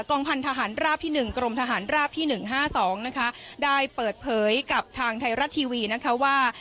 กรมพันธหารราบที่หนึ่งกรมทหารราบที่หนึ่งห้าสองนะคะได้เปิดเผยกับทางไทยรัตน์ทีวีนะคะว่า